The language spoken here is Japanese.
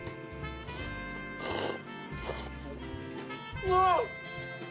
うわっ！